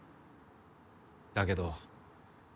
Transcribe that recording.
だけど